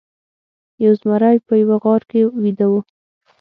یو زمری په یوه غار کې ویده و.